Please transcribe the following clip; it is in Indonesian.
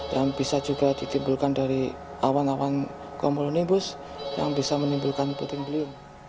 dan bisa juga ditimbulkan dari awan awan gomoronibus yang bisa menimbulkan puting beliung